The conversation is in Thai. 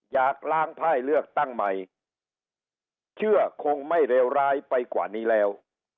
กล้าล้างไพ่เลือกตั้งใหม่เชื่อคงไม่เลวร้ายไปกว่านี้แล้ว